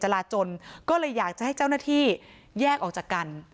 ราจนก็เลยอยากจะให้เจ้าหน้าที่แยกออกจากกัน